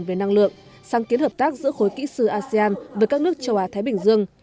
về năng lượng sáng kiến hợp tác giữa khối kỹ sư asean với các nước châu á thái bình dương